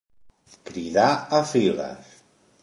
Cridar a files.